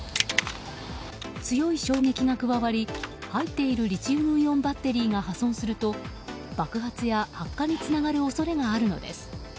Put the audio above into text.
強い衝撃が加わり、入っているリチウムイオンバッテリーが破損すると爆発や発火につながる恐れがあるのです。